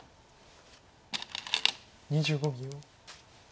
２５秒。